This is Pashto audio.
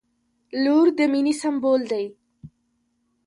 • لور د مینې سمبول دی.